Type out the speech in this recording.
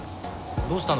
どうしたの？